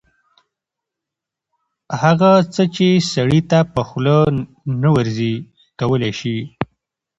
هغه څه چې سړي ته په خوله نه ورځي کولی شي